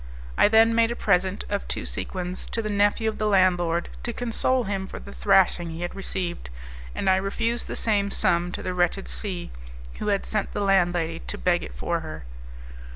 I then made a present of two sequins to the nephew of the landlord to console him for the thrashing he had received, and I refused the same sum to the wretched C , who had sent the landlady to beg it for her.